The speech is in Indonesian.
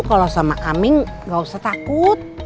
kalau sama aming nggak usah takut